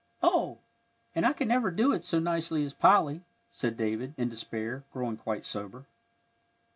"Oh, I never can do it so nice as Polly," said David, in despair, growing quite sober.